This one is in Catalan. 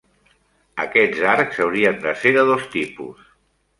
Aquests arcs haurien de ser de dos tipus.